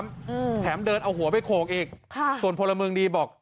อืมแถมเดินเอาหัวไปโขกอีกค่ะส่วนพลเมืองดีบอก